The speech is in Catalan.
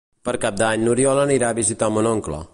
Per Cap d'Any n'Oriol anirà a visitar mon oncle.